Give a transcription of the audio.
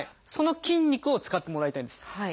その筋肉を使ってもらいたいんです。